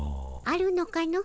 あるのかの？